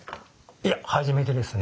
いや初めてですね。